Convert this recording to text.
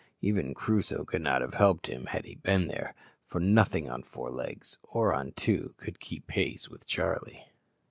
Even Crusoe could not have helped him had he been there, for nothing on four legs, or on two, could keep pace with Charlie.